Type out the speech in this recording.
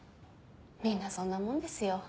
みんなそんなもんですよ。